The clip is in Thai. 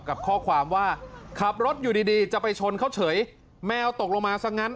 กับข้อความว่าขับรถอยู่ดีจะไปชนเขาเฉยแมวตกลงมาซะงั้น